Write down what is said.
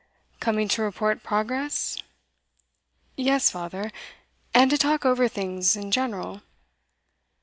'Coming to report progress?' 'Yes, father, and to talk over things in general.